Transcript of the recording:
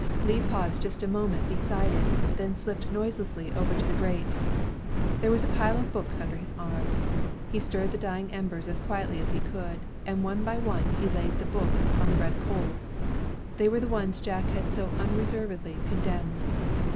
Lee paused just a moment beside it, then slipped noiselessly over to the grate. There was a pile of books under his arm. He stirred the dying embers as quietly as he could, and one by one laid the books on the red coals. They were the ones Jack had so unreservedly condemned.